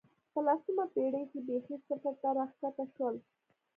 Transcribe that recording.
په لسمه پېړۍ کې بېخي صفر ته راښکته شول